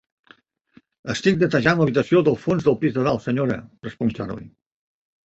"Estic netejant l'habitació del fons del pis de dalt, senyora" -respon Charley.